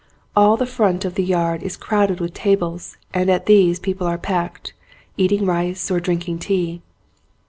All the front of the yard is crowded with tables and at these people are packed, eating rice or drinking tea.